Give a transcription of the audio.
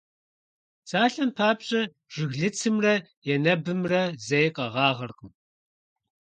Псалъэм папщӀэ, жыглыцымрэ енэбымрэ зэи къэгъагъэркъым.